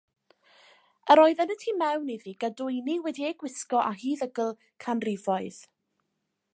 Yr oedd yn y tu mewn iddi gadwyni wedi eu gwisgo â huddygl canrifoedd.